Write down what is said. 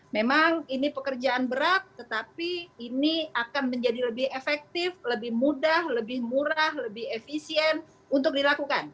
memang ini pekerjaan berat tetapi ini akan menjadi lebih efektif lebih mudah lebih murah lebih efisien untuk dilakukan